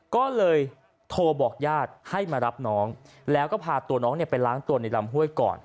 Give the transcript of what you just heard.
ก็เลยโทรบอกญาติให้มารับน้องแล้วก็พาตัวน้องไปล้างตัวในลำห้วยก่อน